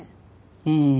うん。